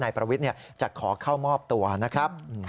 ประวิทย์จะขอเข้ามอบตัวนะครับ